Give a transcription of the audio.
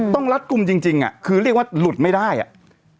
รัดกลุ่มจริงจริงอ่ะคือเรียกว่าหลุดไม่ได้อ่ะ